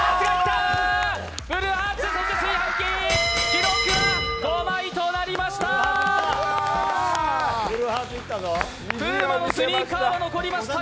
記録は５枚となりました。